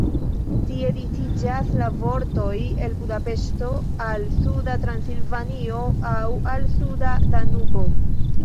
Tie disiĝas la vojoj el Budapeŝto al suda Transilvanio aŭ al suda Danubo.